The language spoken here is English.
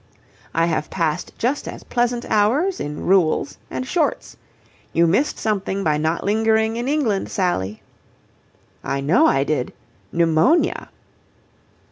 I have passed just as pleasant hours in Rule's and Short's. You missed something by not lingering in England, Sally." "I know I did pneumonia."